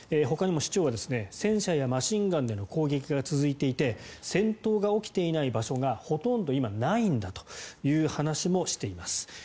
ほかにも市長は戦車やマシンガンでの攻撃が続いていて戦闘が起きていない場所がほとんど今、ないんだという話もしています。